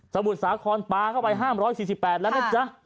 สมุทรสาขนปลาเข้าไปห้าม๑๔๘แล้วนะจ๊ะ